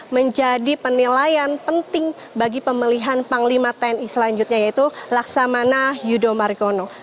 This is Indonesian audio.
menjadi penilaian penting bagi pemilihan panglima tni selanjutnya yaitu laksamana yudo margono